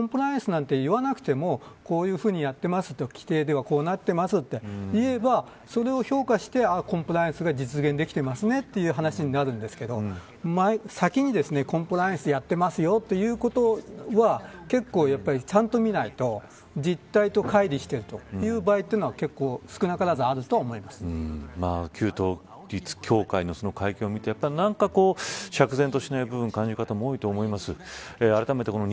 コンプライアンスなんて言わなくてもこういうふうにやってますと言えば規定ではこうなってますっていえばそれを評価してコンプライアンスが実現できてますねという話になるんですけど先にコンプライアンスやってますよということは結構ちゃんと見ないと実態と乖離しているという場合というのは旧統一教会の会見を見ているとなんか釈然としない部分感じる部分も多いと思います。